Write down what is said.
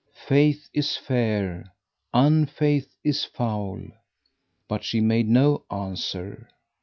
'Faith is fair! Unfaith is foul!'" But she made no answer.